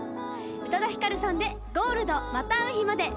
宇多田ヒカルさんで『Ｇｏｌｄまた逢う日まで』